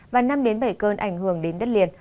và năm bảy cơn ảnh hưởng đến đất liền